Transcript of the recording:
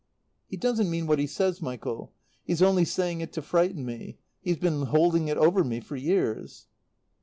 "He doesn't mean what he says, Michael. He's only saying it to frighten me. He's been holding it over me for years.